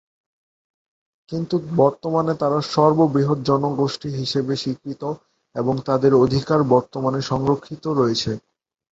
কিন্তু বর্তমানে তারা সর্ববৃহৎ জনগোষ্ঠী হিসেবে স্বীকৃত এবং তাদের অধিকার বর্তমানে সংরক্ষিত রয়েছে।